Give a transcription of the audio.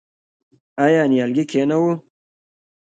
آیا نیالګی کینوو؟